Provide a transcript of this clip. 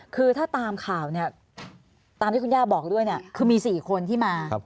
คือถ้าตามข่าวเนี่ยตามที่คุณย่าบอกด้วยเนี่ยคือมี๔คนที่มา